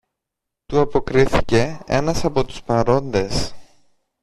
του αποκρίθηκε ένας από τους παρόντες.